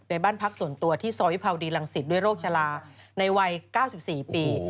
บ้านพักส่วนตัวที่ซอยวิภาวดีรังสิตด้วยโรคชะลาในวัย๙๔ปี